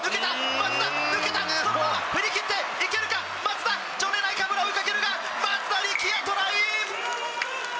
松田、抜けた、そのまま振り切って、いけるか、松田、が追いかけるが、松田力也、トライ！